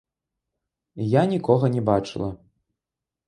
Я нікога не бачыла.